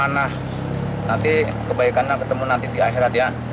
nanti kebaikannya ketemu nanti di akhirat ya